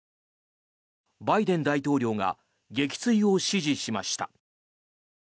バイデン大統領が撃墜を指示しました。